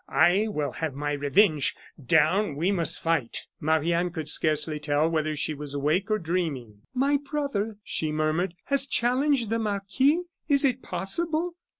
I will have my revenge! Down, we must fight!'" Marie Anne could scarcely tell whether she was awake or dreaming. "My brother," she murmured, "has challenged the marquis! Is it possible?"